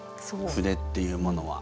筆っていうものは。